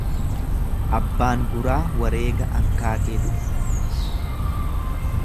Abbaan guraa wareega ankaakee du'e.